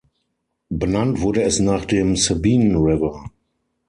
Benannt wurde es nach dem Sabine River.